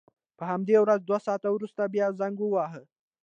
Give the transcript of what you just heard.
په همدې ورځ دوه ساعته وروسته بیا زنګ وواهه.